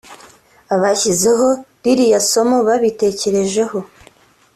Abashyizeho ririya somo babitekerejeho